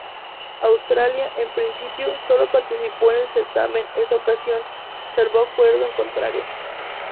Australia, en principio, solo participó en el certamen esta ocasión, salvo acuerdo en contrario.